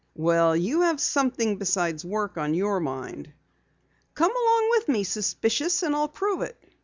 "Well, you have something besides work on your mind." "Come along with me, Suspicious, and I'll prove it."